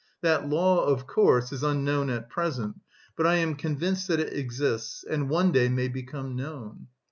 That law, of course, is unknown at present, but I am convinced that it exists, and one day may become known.